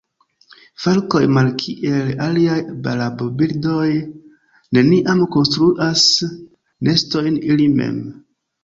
Falkoj malkiel aliaj rabobirdoj neniam konstruas nestojn ili mem.